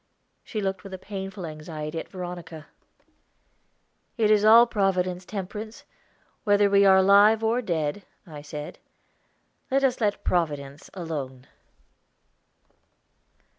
She looked with a painful anxiety at Veronica. "It is all Providence, Temperance, whether we are alive or dead," I said. "Let us let Providence alone."